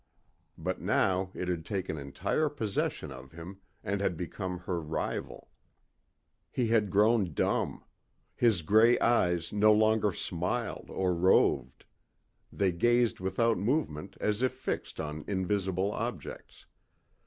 But now it had taken entire possession of him and had become her rival. He had grown dumb. His grey eyes no longer smiled or roved. They gazed without movement as if fixed on invisible objects.